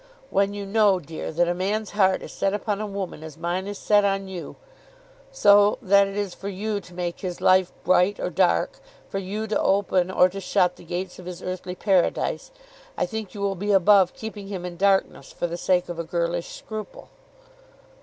When you know, dear, that a man's heart is set upon a woman as mine is set on you, so that it is for you to make his life bright or dark, for you to open or to shut the gates of his earthly Paradise, I think you will be above keeping him in darkness for the sake of a girlish scruple."